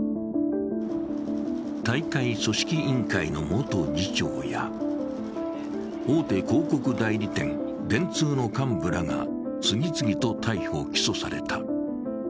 大会組織委員会の元次長や大手広告代理店・電通の幹部らが次々と逮捕・起訴された。